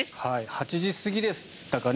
８時過ぎでしたかね。